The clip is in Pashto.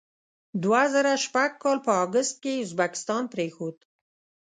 دوه زره شپږ کال په اګست کې یې ازبکستان پرېښود.